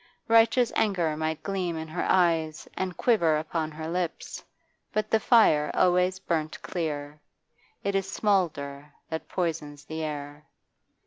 Righteous anger might gleam in her eyes and quiver upon her lips, but the fire always burnt clear; it is smoulder that poisons the air.